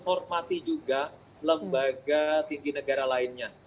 hormati juga lembaga tinggi negara lainnya